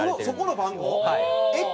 そこの番号？